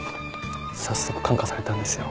早速感化されたんですよ